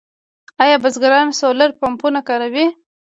آیا بزګران سولر پمپونه کاروي؟